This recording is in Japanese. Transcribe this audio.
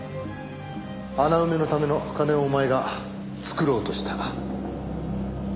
穴埋めのための金をお前が作ろうとした。